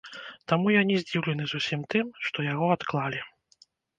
Таму я не здзіўлены зусім тым, што яго адклалі.